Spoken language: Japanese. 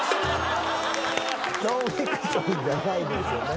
『ノンフィクション』じゃないですよね。